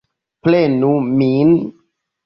Prenu min!